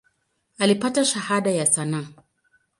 Alipata Shahada ya sanaa.